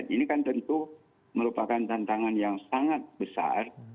ini kan tentu merupakan tantangan yang sangat besar